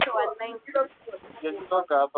uliopita Kuna uwezekano mkubwa kwamba walivuta bangi